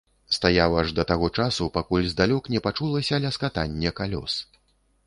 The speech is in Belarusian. Стаяў аж да таго часу, пакуль здалёк не пачулася ляскатанне калёс.